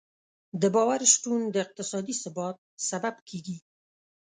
د باور شتون د اقتصادي ثبات سبب کېږي.